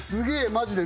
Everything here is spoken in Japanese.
「マジで」